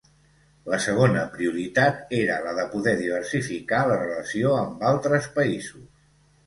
La segona prioritat era la de poder diversificar la relació amb altres països.